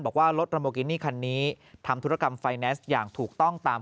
บอกว่ารถละโมกินี่คันนี้ธุรกรรมไฟแนสอย่างตรูต้องตาม